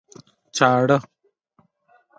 چاړه